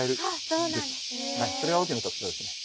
はいそれが大きな特徴ですね。